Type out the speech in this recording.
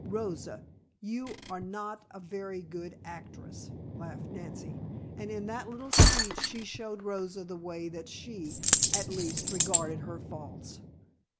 Rosa, you are not a very good actress," laughed Nancy, and in that little speech she showed Rosa the way that she, at least, regarded her faults.